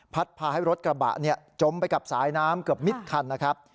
พาให้รถกระบะจมไปกับสายน้ำเกือบมิดคันนะครับ